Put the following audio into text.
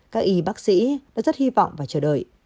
các y bác sĩ đã rất hy vọng và chờ đợi